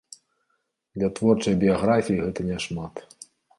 Для творчай біяграфіі гэта няшмат.